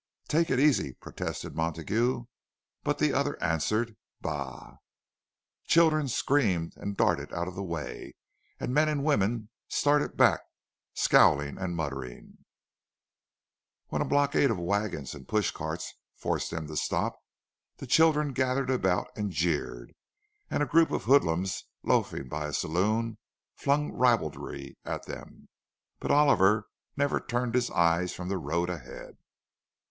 "Take it easy,"—protested Montague; but the other answered, "Bah!" Children screamed and darted out of the way, and men and women started back, scowling and muttering; when a blockade of wagons and push carts forced them to stop, the children gathered about and jeered, and a group of hoodlums loafing by a saloon flung ribaldry at them; but Oliver never turned his eyes from the road ahead.